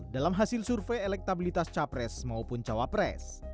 dalam hasil survei elektabilitas capres maupun cawapres